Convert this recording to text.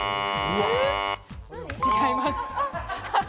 違います。